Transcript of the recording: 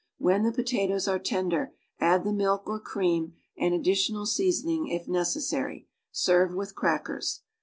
When the potatoes are tender, add the milk or cream and additional seasoning if necessary. Serve AA'ith crackers.